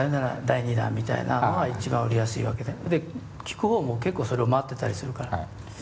第２弾みたいなのが一番売りやすいわけでで聴く方も結構それを待ってたりするから。